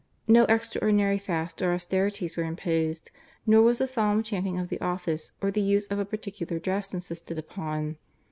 No extraordinary fasts or austerities were imposed, nor was the solemn chanting of the office or the use of a particular dress insisted upon.